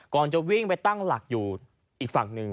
จะวิ่งไปตั้งหลักอยู่อีกฝั่งหนึ่ง